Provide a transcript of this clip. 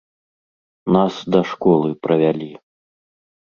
Нас да школы правялі.